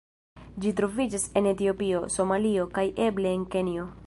Ĝi troviĝas en Etiopio, Somalio, kaj eble en Kenjo.